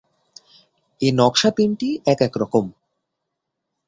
এ নকশা তিনটি এক এক রকম।